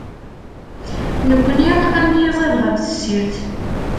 Nekni am yiẓid ɣer tessirt.